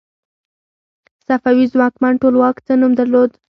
صفوي ځواکمن ټولواک څه نوم درلود؟